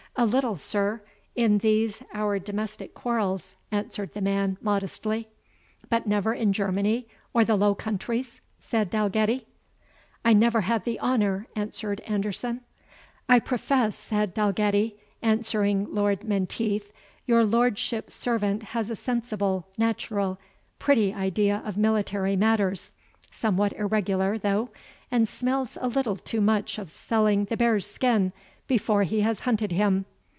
"A little, sir, in these our domestic quarrels," answered the man, modestly. "But never in Germany or the Low Countries?" said Dalgetty. "I never had the honour," answered Anderson. "I profess," said Dalgetty, addressing Lord Menteith, "your lordship's servant has a sensible, natural, pretty idea of military matters; somewhat irregular, though, and smells a little too much of selling the bear's skin before he has hunted him.